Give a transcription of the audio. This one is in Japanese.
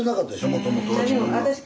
もともとは。